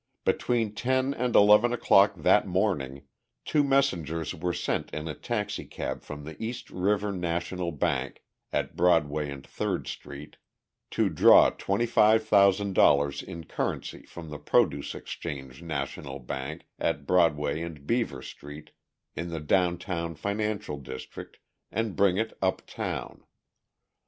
Between ten and eleven o'clock that morning two messengers were sent in a taxicab from the East River National Bank, at Broadway and Third street, to draw $25,000 in currency from the Produce Exchange National Bank, at Broadway and Beaver street, in the downtown financial district, and bring it uptown.